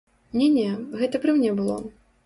Не-не, гэта пры мне было.